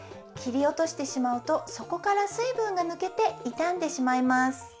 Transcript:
きりおとしてしまうとそこからすいぶんがぬけていたんでしまいます。